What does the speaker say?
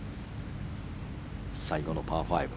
最後のパー５。